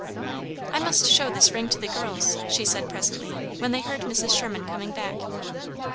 "I must show this ring to the girls," she said, presently, when they heard Mrs. Sherman coming back.